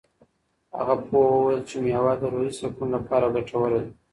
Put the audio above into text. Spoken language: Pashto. هغه پوه وویل چې مېوه د روحي سکون لپاره ګټوره ده.